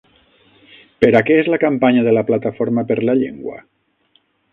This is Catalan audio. Per a què és la campanya de la Plataforma per la Llengua?